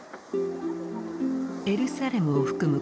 エルサレムを含む